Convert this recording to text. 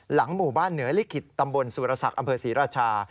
หลังหมู่บ้านเหนือลิขิตตำบลสุรศักดิ์อำเภอศรีราชา